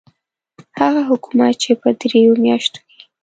هغه حکومت چې په دریو میاشتو کې.